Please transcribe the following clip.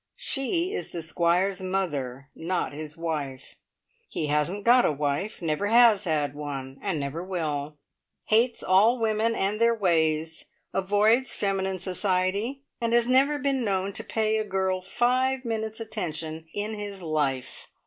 She is the Squire's mother, not his wife. He hasn't got a wife; never has had one, and never will. Hates all women and their ways. Avoids feminine society, and has never been known to pay a girl five minutes' attention in his life!